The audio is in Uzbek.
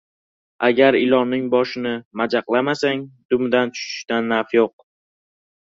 • Agar ilonning boshini majaqlamasang, dumidan tutishdan naf yo‘q.